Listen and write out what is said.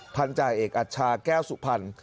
พันธาเอกอัชชาแก้วสุพรรณ